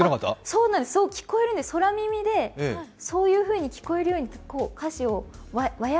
そうなんです、そう聞こえるんです、空耳でそういうふうに聞こえるように歌詞を、和訳？